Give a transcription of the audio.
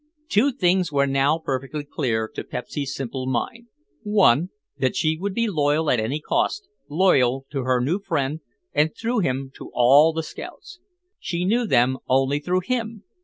Two things were now perfectly clear to Pepsy's simple mind. One, that she would be loyal at any cost, loyal to her new friend, and through him to all the scouts. She knew them only through him.